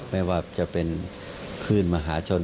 ไม่ว่าจะเป็นคลื่นมหาชน